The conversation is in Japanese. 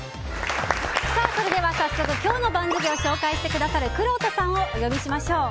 早速、今日の番付を紹介してくださるくろうとさんをお呼びしましょう。